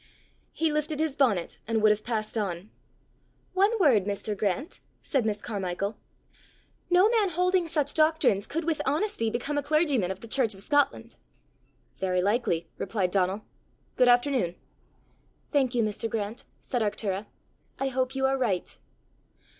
He lifted his bonnet, and would have passed on. "One word, Mr. Grant," said Miss Carmichael. " No man holding such doctrines could with honesty become a clergyman of the church of Scotland." "Very likely," replied Donal, "Good afternoon." "Thank you, Mr. Grant!" said Arctura. "I hope you are right."